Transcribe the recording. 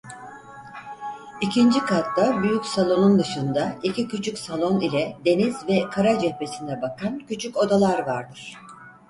İkinci katta büyük salonun dışında iki küçük salon ile deniz ve kara cephesine bakan küçük odalar vardır.